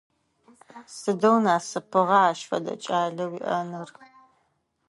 Сыдэу насыпыгъа ащ фэдэ кӏалэ уиӏэныр!